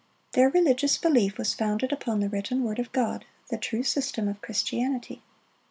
Their religious belief was founded upon the written word of God, the true system of Christianity.